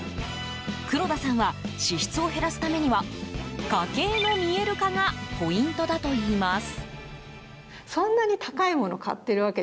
黒田さんは支出を減らすためには家計の見える化がポイントだといいます。